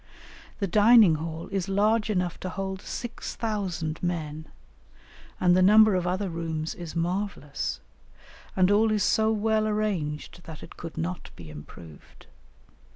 The dining hall is large enough to hold 6000 men, and the number of other rooms is marvellous, and all is so well arranged that it could not be improved.